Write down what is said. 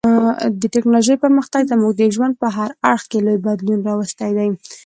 د ټکنالوژۍ پرمختګ زموږ د ژوند په هر اړخ کې لوی بدلونونه راوستي دي.